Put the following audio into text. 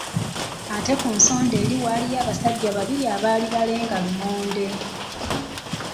Ate ku mu sonda eri waaliyo abasajja babiri abaali balenga lumonde.